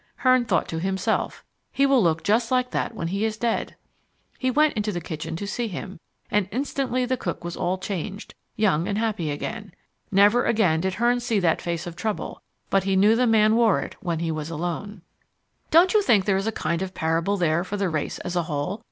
Hearn thought to himself, "He will look just like that when he is dead." He went into the kitchen to see him, and instantly the cook was all changed, young and happy again. Never again did Hearn see that face of trouble; but he knew the man wore it when he was alone. Don't you think there is a kind of parable there for the race as a whole?